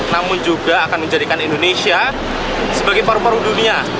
namun juga akan menjadikan indonesia sebagai paru paru dunia